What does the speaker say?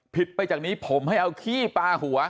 ไปจากนี้ผมให้เอาขี้ปลาหัว